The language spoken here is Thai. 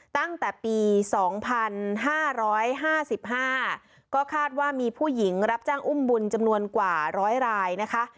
ตั้งแต่ปีสองพันห้าร้อยห้าสิบห้าก็คาดว่ามีผู้หญิงรับจ้างอุ้มบุญจำนวนกว่าร้อยรายนะคะ